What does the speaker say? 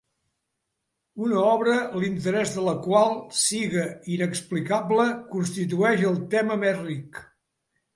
Una obra l'interès de la qual siga inexplicable constitueix el tema més ric